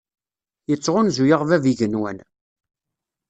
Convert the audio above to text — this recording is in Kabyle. Yettɣunzu-aɣ Bab n yigenwan.